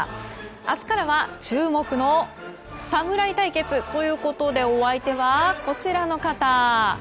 明日からは注目の侍対決ということでお相手は、こちらの方。